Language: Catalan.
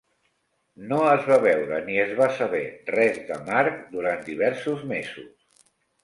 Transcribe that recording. No es va veure ni es va saber res de Marc durant diversos mesos.